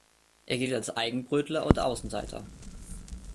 Er gilt als Eigenbrötler und Außenseiter.